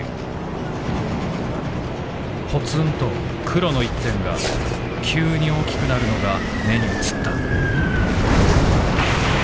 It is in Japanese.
ポツンと黒の一点が急に大きくなるのが眼に映った」。